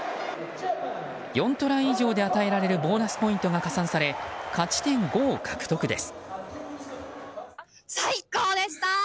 ４トライ以上で与えられるボーナスポイントが加算され勝ち点５を獲得です。